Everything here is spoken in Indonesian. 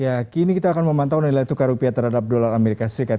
ya kini kita akan memantau nilai tukar rupiah terhadap dolar amerika serikat